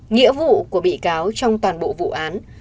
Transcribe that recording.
nghĩa vụ của bị cáo trong toàn bộ vụ án